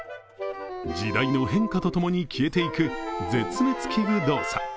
時代の変化と共に消えていく絶滅危惧動作。